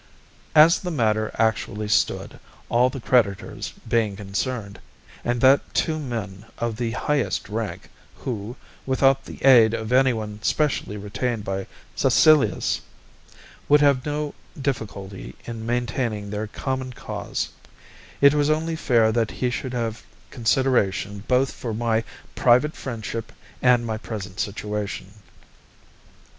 As the matter actually stood, all the creditors being concerned and that two men of the highest rank, who, without the aid of anyone specially retained by Caecilius, would have no difficulty in maintaining their common cause it was only fair that he should have consideration both for my private friendship and my present situation.